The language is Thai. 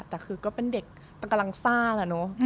แต่คือก็เป็นเด็กตรงกำลังซ่าแล้ว